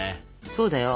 そうだよ。